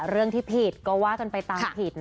เรื่องที่ผิดก็ว่ากันไปตามผิด